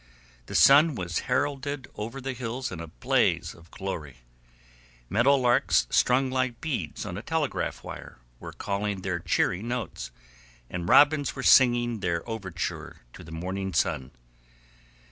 The sun was heralded over the hills in a blaze of glory; meadow larks strung like beads on a telegraph wire were calling their cheery notes, and robins were singing their overture to the morning sun.